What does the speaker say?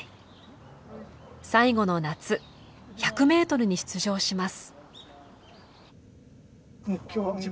最後の夏１００メートルに出場します。